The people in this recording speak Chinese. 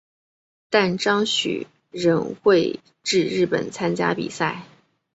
但张栩仍会至日本参加比赛。